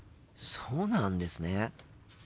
そうなんですね。